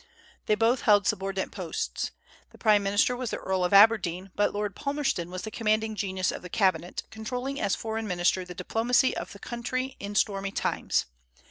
They both held subordinate posts. The prime minister was the Earl of Aberdeen; but Lord Palmerston was the commanding genius of the cabinet, controlling as foreign minister the diplomacy of the country in stormy times.